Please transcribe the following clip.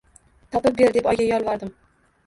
Topib ber, deb oyga yolvordim.